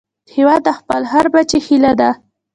هیواد د خپل هر بچي هيله ده